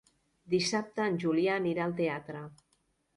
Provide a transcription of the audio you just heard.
Dissabte en Julià anirà al teatre.